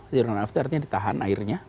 zero run off itu artinya ditahan airnya